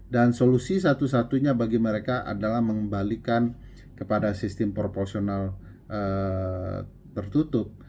dan solusi satu satunya bagi mereka adalah mengembalikan kepada sistem proporsional tertutup